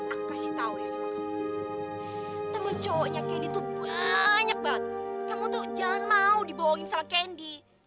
aku kasih tahu ya sama kamu temen cowoknya gendy tuh banyak banget kamu tuh jangan mau dibohongin sama gendy